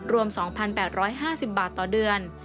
รวม๒๘๕๐บาทต่อเดือน